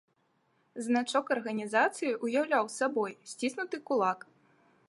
Значок арганізацыі уяўляў сабой сціснуты кулак.